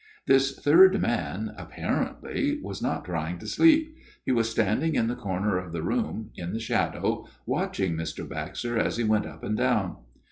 This third man, apparently, was not trying to sleep ; he was standing in the corner of the room, in the shadow, watching Mr. Baxter as he went up and down.